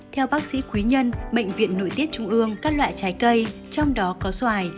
theo bác sĩ quý nhân bệnh viện nội tiết trung ương các loại trái cây trong đó có xoài